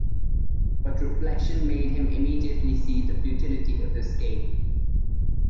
But reflection made him immediately see the futility of escape.